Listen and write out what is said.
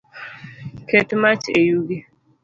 Ket mach e yugi